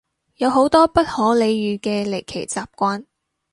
有好多不可理喻嘅離奇習慣